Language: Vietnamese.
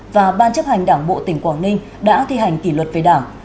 và ban chấp hành đảng bộ tỉnh quảng ninh đã thi hành kỷ luật về đảng